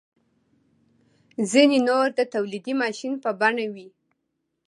ځینې نور د تولیدي ماشین په بڼه وي.